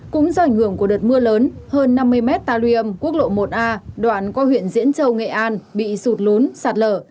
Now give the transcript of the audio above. cũng do ảnh hưởng của đợt mưa lớn hơn năm mươi m ta liêm quốc lộ một a đoạn qua huyện diễn châu nghệ an bị sụt lốn sạt lở